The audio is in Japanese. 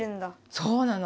そうなの。